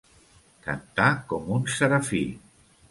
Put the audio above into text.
Cantar com un serafí.